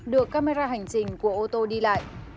được camera hành trình của ô tô đi lại